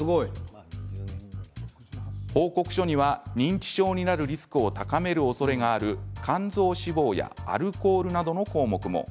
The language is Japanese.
報告書には認知症になるリスクを高めるおそれがある肝臓脂肪やアルコールなどの項目も。